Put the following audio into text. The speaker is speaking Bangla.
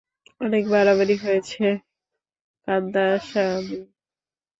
অনেক বাড়াবাড়ি হয়েছে, কান্দাসামি!